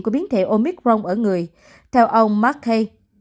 của biến thể omicron ở người theo ông mckay